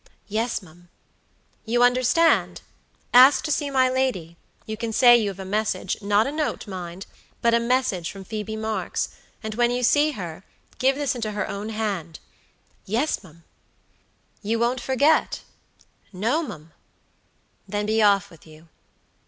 "Yes, mum." "You understand? Ask to see my lady; you can say you've a messagenot a note, mindbut a message from Phoebe Marks; and when you see her, give this into her own hand." "Yes, mum." "You won't forget?" "No, mum." "Then be off with you."